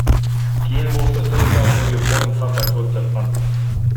Кийин болсо төрт саат бою Порнхаб ачылып жаткан.